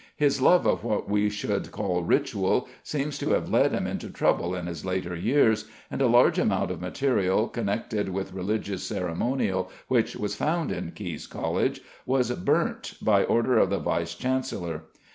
His love of what we should call "ritual" seems to have led him into trouble in his later years, and a large amount of material connected with religious ceremonial, which was found in Caius College, was burnt by order of the vice chancellor.